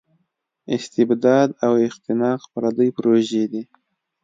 استبداد او اختناق پردۍ پروژې دي.